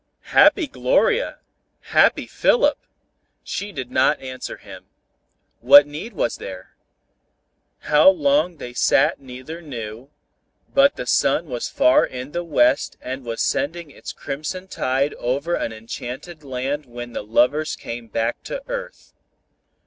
Happy Gloria! Happy Philip! She did not answer him. What need was there? How long they sat neither knew, but the sun was far in the west and was sending its crimson tide over an enchanted land when the lovers came back to earth.